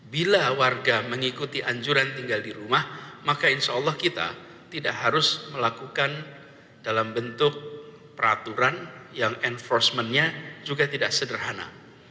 bila warga mengikuti anjuran tinggal di rumah maka insya allah kita tidak harus melakukan dalam bentuk peraturan yang enforcementnya juga tidak sederhana